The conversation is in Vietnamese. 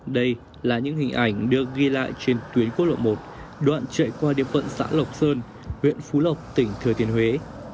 đây là những hình ảnh được ghi lại trên tuyến quốc lộ một đoạn chạy qua địa phận xã lộc sơn huyện phú lộc tỉnh thừa tiên huế